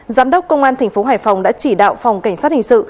giám đốc công an tp hải phòng đã chỉ đạo phòng cảnh sát hình sự